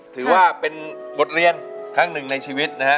ถือว่าเป็นบทเรียนครั้งหนึ่งในชีวิตนะฮะ